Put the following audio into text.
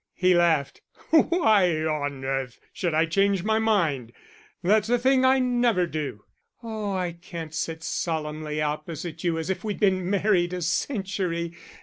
He laughed. "Why on earth should I change my mind? That's a thing I never do." "Oh, I can't sit solemnly opposite you as if we'd been married a century.